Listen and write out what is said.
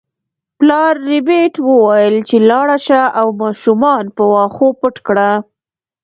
پلار ربیټ وویل چې لاړه شه او ماشومان په واښو پټ کړه